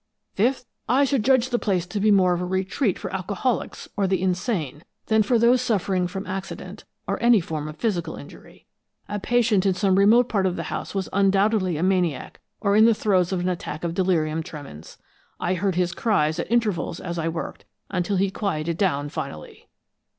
Fifth, I should judge the place to be more of a retreat for alcoholics or the insane, than for those suffering from accident, or any form of physical injury. A patient in some remote part of the house was undoubtedly a maniac or in the throes of an attack of delirium tremens. I heard his cries at intervals as I worked, until he quieted down finally.